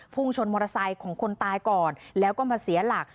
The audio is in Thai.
ชนมอเตอร์ไซค์ของคนตายก่อนแล้วก็มาเสียหลัก